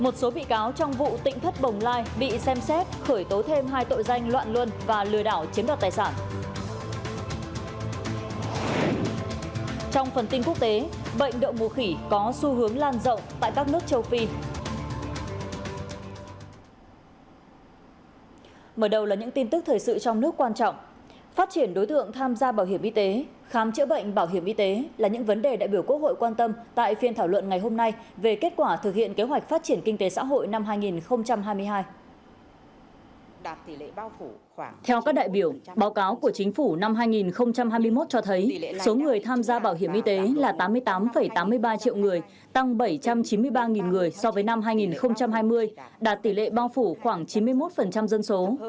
theo các đại biểu báo cáo của chính phủ năm hai nghìn hai mươi một cho thấy số người tham gia bảo hiểm y tế là tám mươi tám tám mươi ba triệu người tăng bảy trăm chín mươi ba người so với năm hai nghìn hai mươi đạt tỷ lệ bao phủ khoảng chín mươi một dân số